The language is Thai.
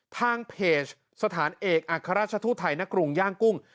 ทางเพจสถานเอกอัครราชทูตไทยณกรุงย่างกุ้ง